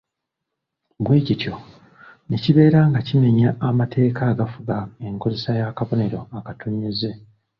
Bwe kityo ne kibeera nga kimenya amateeka agafuga enkozesa y’akabonero akatonnyeze.